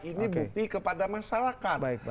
ini bukti kepada masyarakat